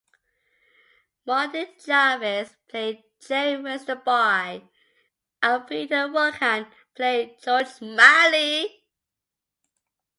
Martin Jarvis played Jerry Westerby and Peter Vaughan played George Smiley.